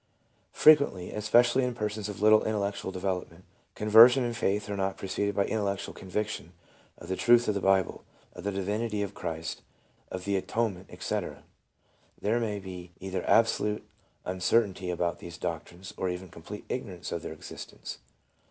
J Frequently, especially in persons of little intellectual devel opment, conversion and Faith are not preceded by intellectual conviction of the truth of the Bible, of the divinity of Christ, of the atonement, etc.; there may be either absolute uncer tainty about these doctrines, or even complete ignorance of their existence.